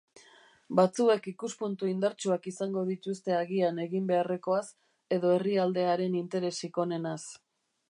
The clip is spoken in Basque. Batzuek ikuspuntu indartsuak izango dituzte agian egin beharrekoaz edo herrialdearen interesik onenaz.